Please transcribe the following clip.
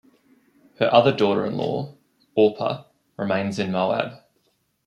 Her other daughter-in-law, Orpah, remains in Moab.